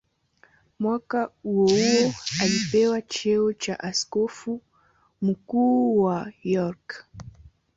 Mwaka huohuo alipewa cheo cha askofu mkuu wa York.